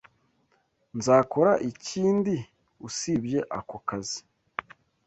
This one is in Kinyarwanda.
Nzakora ikindi usibye ako kazi.